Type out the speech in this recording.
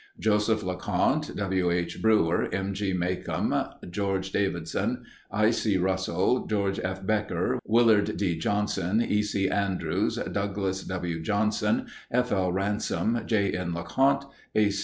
Joseph LeConte, W. H. Brewer, M. G. Macomb, George Davidson, I. C. Russell, George F. Becker, Willard D. Johnson, E. C. Andrews, Douglas W. Johnson, F. L. Ransome, J. N. LeConte, A.